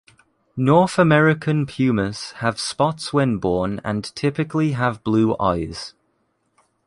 North American pumas have spots when born and typically have blue eyes.